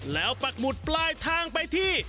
แล้วปักหมุดปลายทางไปที่